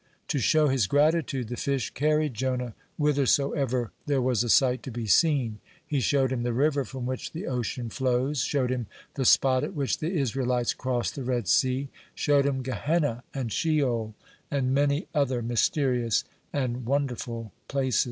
To show his gratitude, the fish carried Jonah whithersoever there was a sight to be seen. He showed him the river from which the ocean flows, showed him the spot at which the Israelites crossed the Red Sea, showed him Gehenna and Sheol, and many other mysterious and wonderful place.